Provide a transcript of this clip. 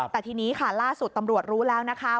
แต่ทีนี้ค่ะล่าสุดตำรวจรู้แล้วนะคะ